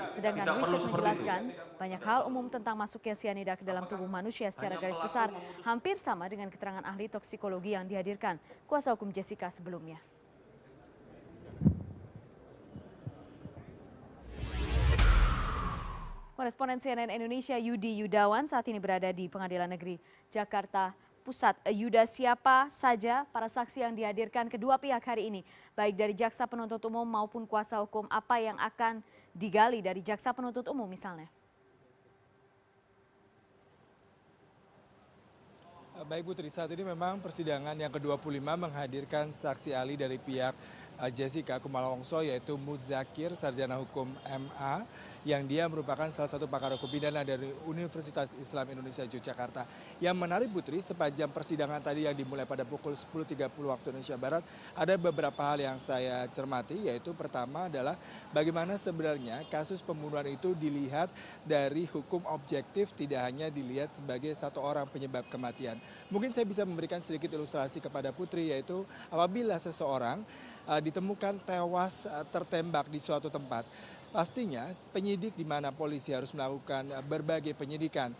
sedangkan richard menjelaskan banyak hal umum tentang masuknya cyanida ke dalam tubuh manusia secara garis besar hampir sama dengan keterangan ahli toksikologi yang dihadirkan kuasa hukum jessica sebelumnya